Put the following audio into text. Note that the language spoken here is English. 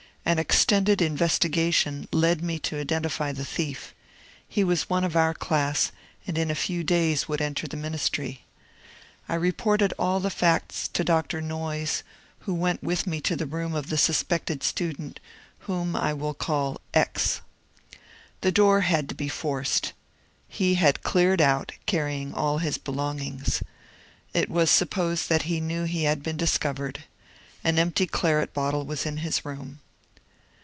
An extended in vestigation led me to identify the thief ; he was one of our dass, and in a few days would enter the minbtry. I reported all the facts to Dr. Noyes, who went with me to the room of the suspected student, whom I will call X. The door had to be forced. He had cleared out, carrjring all his belongings. It was supposed that he knew he had been discovered. An empty claret bottle was in his room.